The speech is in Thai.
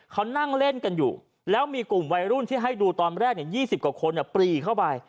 เขานั่งเล่นกันอยู่แล้วมีกลุ่มวัยรุ่นที่ให้ดูตอนแรก๒๐กว่าคนปรีเข้าไป